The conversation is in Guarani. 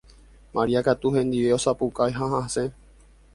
Maria katu hendive osapukái ha hasẽ